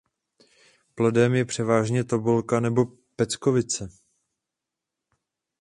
Plodem je převážně tobolka nebo peckovice.